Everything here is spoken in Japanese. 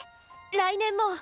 来年も！